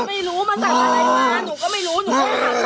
มันสักอะไรมา